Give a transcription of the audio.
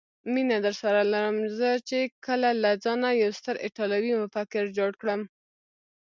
مینه درسره لرم، زه چې کله له ځانه یو ستر ایټالوي مفکر جوړ کړم.